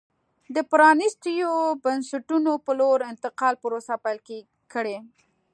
د پرانېستو بنسټونو په لور انتقال پروسه پیل کړي.